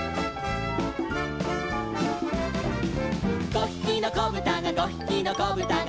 「５ひきのこぶたが５ひきのこぶたが」